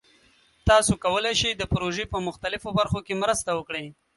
تاسو کولی شئ د پروژې په مختلفو برخو کې مرسته وکړئ.